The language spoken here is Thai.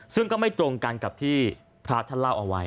ซึ่งก็ไม่ตรงกันกับที่พระท่านเล่าเอาไว้